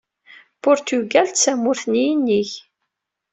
Purtugal d tamurt n yinig.